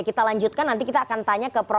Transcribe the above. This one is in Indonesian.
kita lanjutkan nanti kita akan tanya ke prof